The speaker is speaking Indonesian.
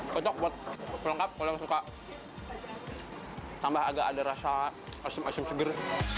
kocok buat kelengkap kalau suka tambah agak ada rasa asim asim segar